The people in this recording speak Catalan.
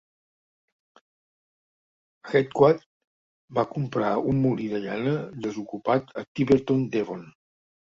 Heathcoat va comprar un molí de llana desocupat a Tiverton, Devon.